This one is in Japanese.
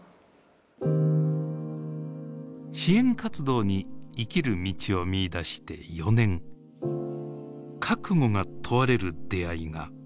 支援活動に生きる道を見いだして４年覚悟が問われる出会いがありました。